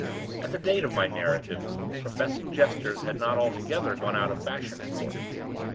At the date of my narrative, professing jesters had not altogether gone out of fashion at court.